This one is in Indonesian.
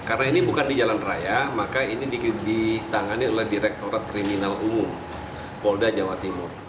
karena ini bukan di jalan raya maka ini ditangani oleh direkturat kriminal umum polda jawa timur